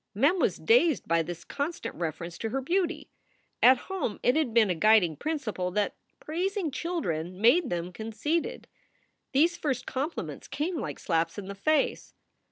Mem was dazed by this constant reference to her beauty. At home it had been a guiding principle that praising chil dren made them conceited. These first compliments came like slaps in the face.